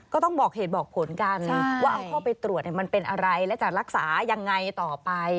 ก็ต้องบอกเหตุบอกผลกันว่าเอาเข้าไปตรวจมันเป็นอะไรและจะรักษายังไงต่อไป